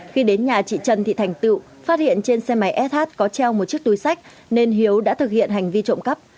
khi đến nhà chị trần thị thành tựu phát hiện trên xe máy sh có treo một chiếc túi sách nên hiếu đã thực hiện hành vi trộm cắp